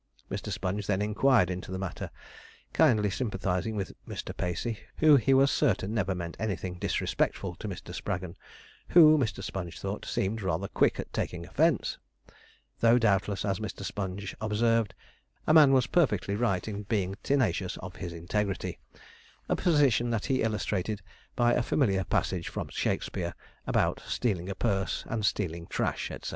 Mr. Sponge then inquired into the matter, kindly sympathizing with Mr. Pacey, who he was certain never meant anything disrespectful to Mr. Spraggon, who, Mr. Sponge thought, seemed rather quick at taking offence; though, doubtless, as Mr. Sponge observed, 'a man was perfectly right in being tenacious of his integrity,' a position that he illustrated by a familiar passage from Shakespeare, about stealing a purse and stealing trash, &c.